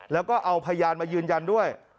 แล้วก็เอาพยานมายืนยันด้วย